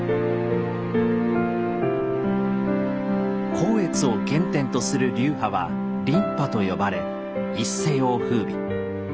光悦を原点とする流派は「琳派」と呼ばれ一世を風靡。